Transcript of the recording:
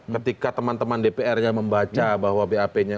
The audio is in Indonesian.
ketika teman teman dprnya membaca bahwa bapnya